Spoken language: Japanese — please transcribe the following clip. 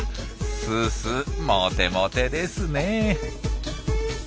すーすーモテモテですね。